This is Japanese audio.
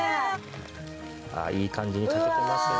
いい感じに炊けてますよ。